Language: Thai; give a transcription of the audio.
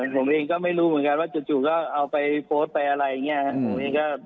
ผมเองก็ไม่รู้เหมือนกันว่าจู่ก็เอาไปโพสต์ไปอะไรอย่างนี้ครับ